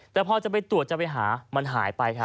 แต่พอจะไปตรวจจะไปหามันหายไปครับ